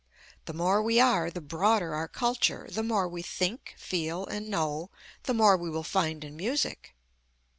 The more we are, the broader our culture, the more we think, feel and know, the more we will find in music.